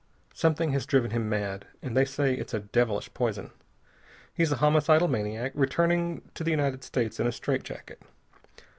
Something has driven him mad, and they say it's a devilish poison. He's a homicidal maniac, returning to the United States in a straight jacket.